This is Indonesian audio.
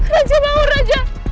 raja bangun raja